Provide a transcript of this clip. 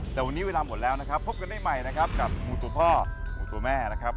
แต่วันนี้เวลาหมดแล้วนะครับพบกันได้ใหม่นะครับกับหมูตัวพ่อหมูตัวแม่นะครับ